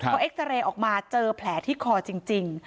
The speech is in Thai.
พอเอ็กซาเรย์ออกมาเจอแผลที่คอจริง